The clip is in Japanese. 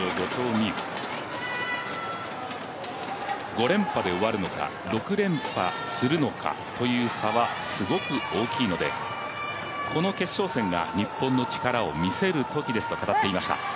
５連覇で終わるのか６連覇するのかという差はすごく大きいので、この決勝戦が日本の力を見せるときですと語っていました。